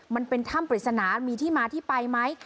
มันเป็นถ้ำปริศนามีที่มาที่ไปไหม